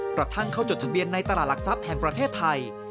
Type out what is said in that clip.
พลัดทางเข้าจดทะเบียนในตลาดหลักทรัพย์มันประเทศไทย